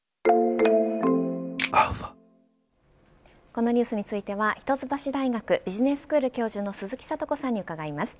このニュースについては一橋大学ビジネススクール教授の鈴木智子さんに伺います。